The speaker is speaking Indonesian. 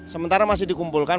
sementara masih dikumpulkan